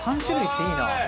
３種類っていいな！